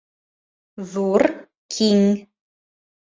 Ҙур, киң.